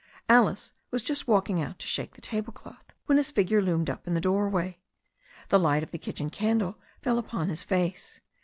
Alice was just walking out to shake the table cloth when his figure loomed up in the doorway. The Hght of the kitchen candle fell upon his face.